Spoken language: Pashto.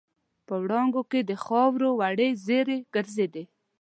په وړانګو کې د خاوور وړې زرې ګرځېدې.